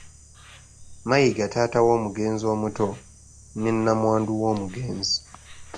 Mayiga taata w’omugenzi omuto, ne namwandu w’omugenzi.